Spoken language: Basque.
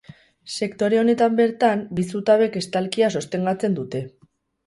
Sektore honetan bertan bi zutabek estalkia sostengatzen dute.